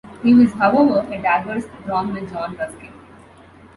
He was, however, at daggers drawn with John Ruskin.